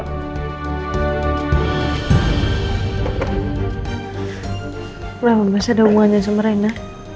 kenapa mas ada hubungannya sama rina